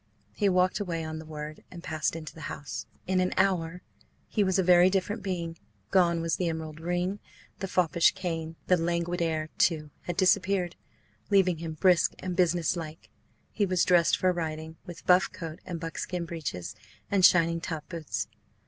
He walked away on the word, and passed into the house. In an hour he was a very different being. Gone was the emerald ring, the foppish cane; the languid air, too, had disappeared, leaving him brisk and businesslike. He was dressed for riding, with buff coat and buckskin breeches, and shining top boots.